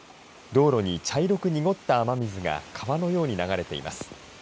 道路に茶色く濁った水が川のように流れています。